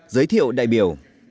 giới thiệu đại biểu